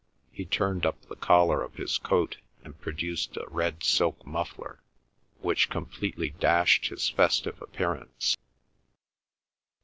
He turned up the collar of his coat and produced a red silk muffler, which completely dashed his festive appearance.